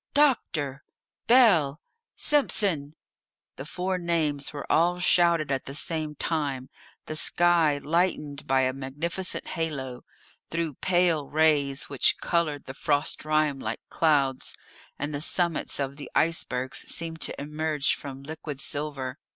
"Doctor!" "Bell!" "Simpson!" The four names were all shouted at the same time; the sky, lightened by a magnificent halo, threw pale rays which coloured the frost rime like clouds, and the summits of the icebergs seemed to emerge from liquid silver.